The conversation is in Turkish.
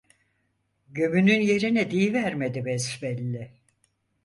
Gömünün yerini diyivermedi besbelli…